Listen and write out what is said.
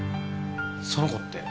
その子って？